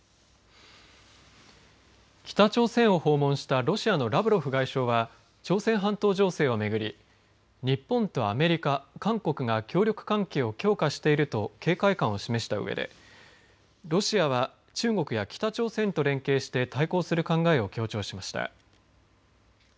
北朝鮮を訪問したロシアのラブロフ外相は朝鮮半島情勢を巡り日本とアメリカ、韓国が協力関係を強化していると警戒感を示したうえでロシアは中国や北朝鮮と連携して対抗する考えを強調しました。